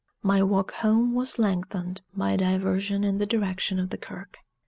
My walk home was lengthened by a diversion in the direction of the kirk.